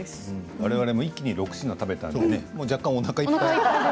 われわれも一気に６品食べたので若干おなかがいっぱい。